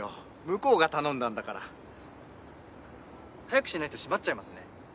向こうが頼んだんだから。早くしないと閉まっちゃいますね。